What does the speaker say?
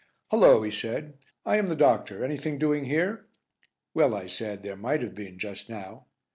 "Hullo," he said, "I am the doctor. Anything doing here?" "Well," I said, "there might have been just now."